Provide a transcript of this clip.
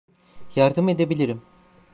Yardım edebilirim.